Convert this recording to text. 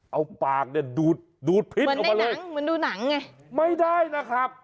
เอาปากเนี่ยดูดดูดพิษออกมาเลยหนังเหมือนดูหนังไงไม่ได้นะครับ